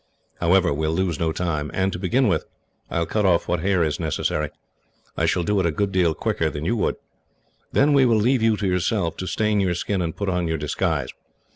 "However, we will lose no time; and to begin with, I will cut off what hair is necessary. I shall do it a good deal quicker than you would. Then we will leave you to yourself, to stain your skin and put on your disguise.